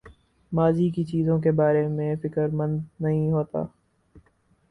ماضی کی چیزوں کے بارے میں فکر مند نہیں ہوتا